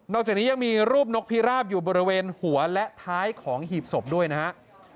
จากนี้ยังมีรูปนกพิราบอยู่บริเวณหัวและท้ายของหีบศพด้วยนะฮะ